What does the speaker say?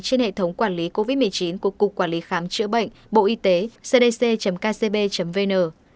trên hệ thống quản lý covid một mươi chín của cục quản lý khám chữa bệnh bộ y tế cdc kcb vn